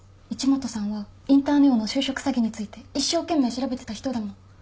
一本さんはインターネオの就職詐欺について一生懸命調べてた人だもん。